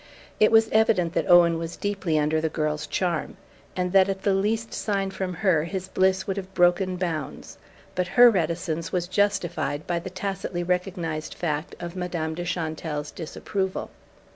It was evident that Owen was deeply under the girl's charm, and that at the least sign from her his bliss would have broken bounds; but her reticence was justified by the tacitly recognized fact of Madame de Chantelle's disapproval.